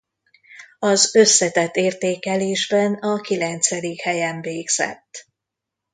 Az összetett értékelésben a kilencedik helyen végzett.